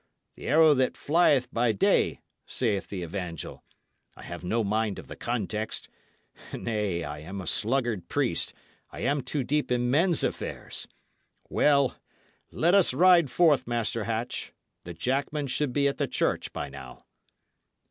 'The arrow that flieth by day,' saith the evangel; I have no mind of the context; nay, I am a sluggard priest, I am too deep in men's affairs. Well, let us ride forth, Master Hatch. The jackmen should be at the church by now."